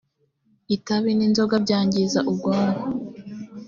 itabi n’ inzoga byangiza ubwonko.